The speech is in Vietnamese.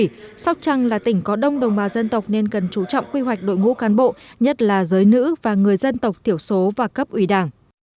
vì sóc trăng là tỉnh có đông đồng bà dân tộc nên cần chú trọng quy hoạch đội ngũ cán bộ nhất là giới nữ và người dân tộc thiểu số và cấp ủy đảng